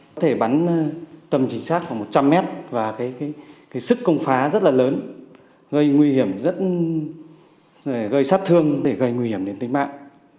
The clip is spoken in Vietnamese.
có thể bắn tầm chính xác khoảng một trăm linh mét và sức công phá rất là lớn gây sát thương để gây nguy hiểm đến tính mạng